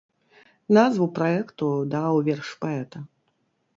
Назву праекту даў верш паэта.